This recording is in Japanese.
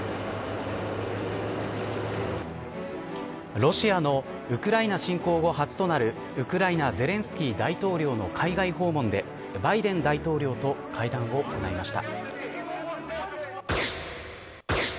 ロシアのウクライナ侵攻後初となるウクライナゼレンスキー大統領の海外訪問でバイデン大統領と会談を行いました。